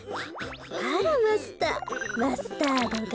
あらマスターマスタードが。